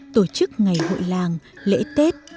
tổ chức ngày hội làng lễ tết